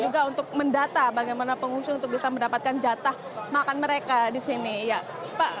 juga untuk mendata bagaimana pengungsi untuk bisa mendapatkan jatah makan mereka di sini ya pak